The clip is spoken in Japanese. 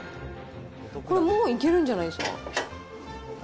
これもう、いけるんじゃないですか？